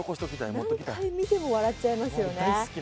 何回見ても笑っちゃいますよね。